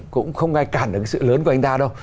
cũng không ai cản được cái sự lớn của anh ta đâu